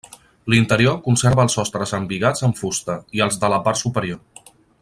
L'interior conserva els sostres embigats amb fusta, i els de la part superior.